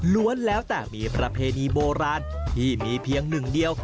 แล้วแต่มีประเพณีโบราณที่มีเพียงหนึ่งเดียว